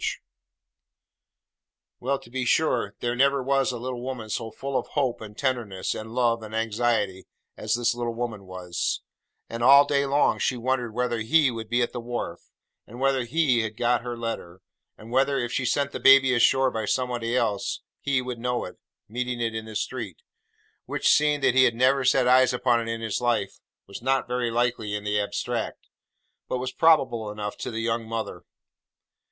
[Picture: The Little Wife] Well, to be sure, there never was a little woman so full of hope, and tenderness, and love, and anxiety, as this little woman was: and all day long she wondered whether 'He' would be at the wharf; and whether 'He' had got her letter; and whether, if she sent the baby ashore by somebody else, 'He' would know it, meeting it in the street: which, seeing that he had never set eyes upon it in his life, was not very likely in the abstract, but was probable enough, to the young mother.